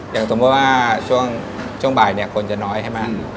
อย่างก็ถูกบอกว่าช่วงบ่ายคนจะน้อยให้มา